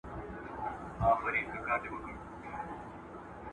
څلور لسیزې مخکې حالت بل ډول و.